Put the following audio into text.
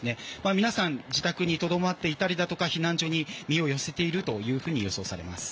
皆さん、自宅にとどまっていたり避難所に身を寄せていると予想されます。